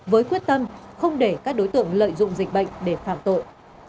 với quyết tâm không để các đối tượng lợi dụng dịch bệnh để phạm tội